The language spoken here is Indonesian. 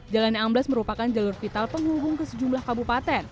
jalan yang amblas merupakan jalur vital penghubung ke sejumlah kabupaten